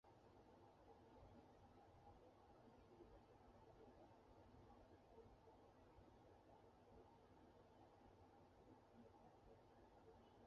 库普佐沃农村居民点是俄罗斯联邦伏尔加格勒州科托沃区所属的一个农村居民点。